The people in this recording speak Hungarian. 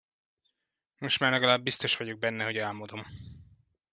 Most már legalább biztos vagyok benne, hogy álmodom!